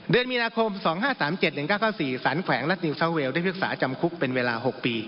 เดือนมีนาคม๒๕๓๗๑๙๙๔สารแขวงรัฐนิวซาเวลได้พิกษาจำคุกเป็นเวลา๖ปี